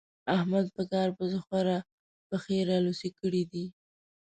احمد په کار پسې خورا پښې رالوڅې کړې دي.